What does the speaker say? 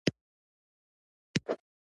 ادم خان او درخو له د بل سره مينه کوله